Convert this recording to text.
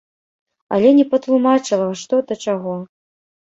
Але не патлумачыла, што да чаго.